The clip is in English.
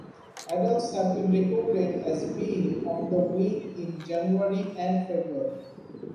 Adults have been recorded as being on the wing in January and February.